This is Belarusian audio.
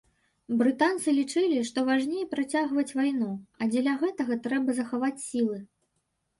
Брытанцы лічылі, што важней працягваць вайну, а дзеля гэтага трэба захаваць сілы.